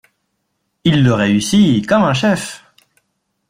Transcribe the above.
Il le réussit comme un chef.